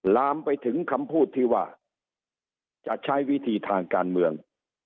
ลามไปถึงคำพูดที่ว่าจะใช้วิธีทางการเมือง